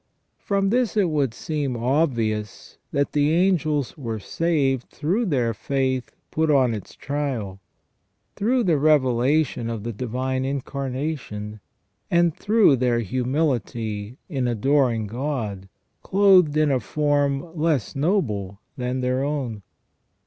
From this it would seem obvious that the angels were saved through their faith put on its trial, through the revelation of the AND THE REDEMPTION OF CHRIST 291 Divine Incarnation, and through their humility in adoring God, clothed in a form less noble than their own.